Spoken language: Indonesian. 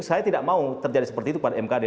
saya tidak mau terjadi seperti itu pada mkd